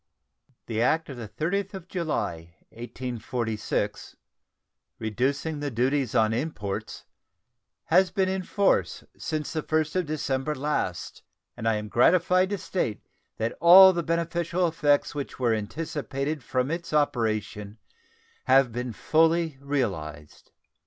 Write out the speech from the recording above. The act of the 30th of July, 1846, "reducing the duties on imports," has been in force since the 1st of December last, and I am gratified to state that all the beneficial effects which were anticipated from its operation have been fully realized.